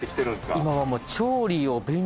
今はもう。